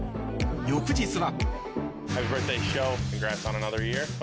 翌日は。